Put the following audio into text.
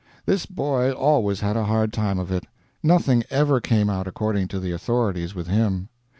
This boy always had a hard time of it. Nothing ever came out according to the authorities with him.